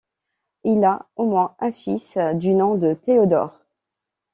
Il a au moins un fils, du nom de Théodore.